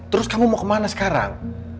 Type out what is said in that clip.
terus kamu mau kemana sekarang